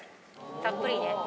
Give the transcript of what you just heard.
たっぷりね。